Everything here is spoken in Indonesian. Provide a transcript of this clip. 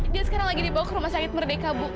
dia sekarang lagi dibawa ke rumah sakit merdeka bu